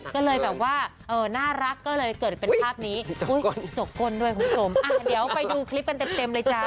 ก็เลยแบบว่าน่ารักก็เลยเกิดเป็นภาพนี้จกก้นด้วยคุณผู้ชมเดี๋ยวไปดูคลิปกันเต็มเลยจ้า